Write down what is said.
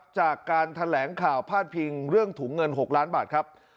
จากการแถลงข่าวพาดพิงเรื่องถุงเงิน๖ล้านบาทครับ